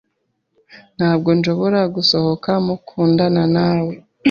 Ntabwo nshobora gusohoka mukundana nawe.